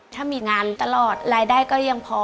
ถ้ามีงานตลอดรายได้ก็ยังพอ